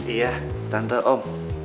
iya tante om